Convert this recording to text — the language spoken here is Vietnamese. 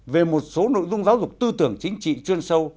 về một số nội dung giáo dục tư tưởng chính trị chuyên sâu